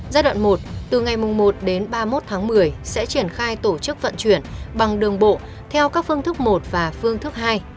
giai đoạn một từ ngày một đến ba mươi một tháng một mươi sẽ triển khai tổ chức vận chuyển bằng đường bộ theo các phương thức một và phương thức hai